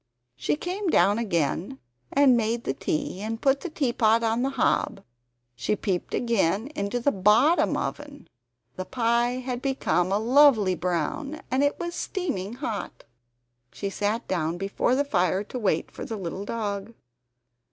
She came downstairs again, and made the tea, and put the teapot on the hob. She peeped again into the BOTTOM oven, the pie had become a lovely brown, and it was steaming hot. She sat down before the fire to wait for the little dog.